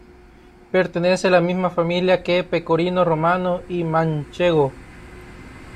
Pertenece a la misma familia que Pecorino Romano y Manchego.